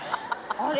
あれ？